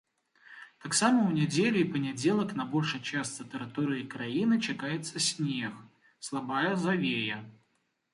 Таксама ў нядзелю і панядзелак на большай частцы тэрыторыі краіны чакаецца снег, слабая завея.